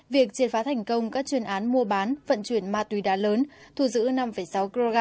việc triệt phá thành công các chuyên án mua bán vận chuyển ma túy đá lớn thu giữ năm sáu kg